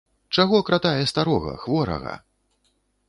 Чаго кратае старога, хворага?